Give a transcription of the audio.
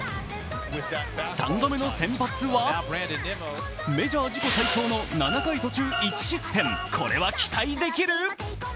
３度目の先発はメジャー自己最長の７回途中１失点、これは期待できる？